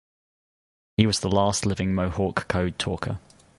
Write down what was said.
He was the last living Mohawk code talker.